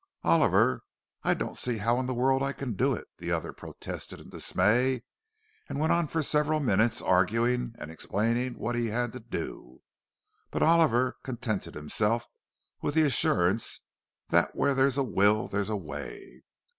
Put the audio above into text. "Oliver, I don't see how in the world I can do it!" the other protested in dismay, and went on for several minutes arguing and explaining what he had to do. But Oliver contented himself with the assurance that where there's a will, there's a way.